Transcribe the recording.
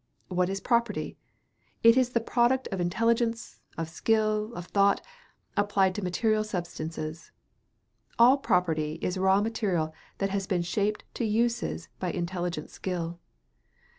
What is property? It is the product of intelligence, of skill, of thought applied to material substances. All property is raw material that has been shaped to uses by intelligent skill.